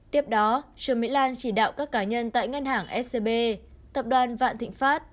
tiếp đó trương mỹ lan chỉ đạo các cá nhân tại ngân hàng scb tập đoàn vạn thịnh pháp